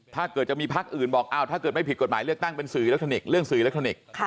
ถ้าเกิดจะมีทักอื่นบอกอ่าวถ้าไม่ผิดกฎหมายเป็นเรื่องสื่ออิเล็กทรอนิกส์